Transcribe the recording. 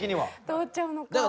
通っちゃうのか。